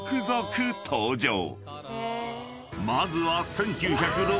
［まずは１９６８年］